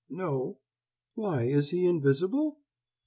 "No." "Why is he invisible?"